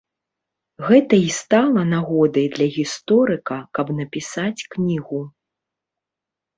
Гэта і стала нагодай для гісторыка, каб напісаць кнігу.